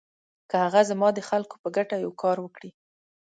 که هغه زما د خلکو په ګټه یو کار وکړي.